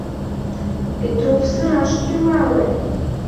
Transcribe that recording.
— Петров сыраш тӱҥале.